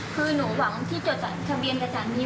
คือหนูหวังที่จดทะเบียนผลิตงกับสัตว์นี้